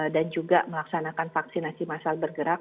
dan juga melaksanakan vaksinasi masal bergerak